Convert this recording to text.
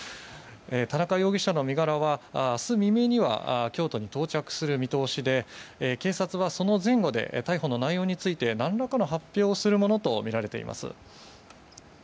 田中容疑者の身柄は明日未明には京都に到着する見通しで警察は、その前後で逮捕の内容について何らかの発表をするものとみられています。